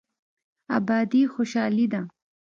ابادي خوشحالي ده.